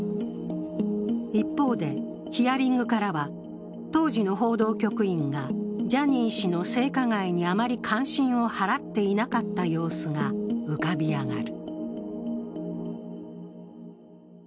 一方で、ヒアリングからは当時の報道局員がジャニー氏の性加害にあまり関心を払っていなかった様子が浮かび上がる。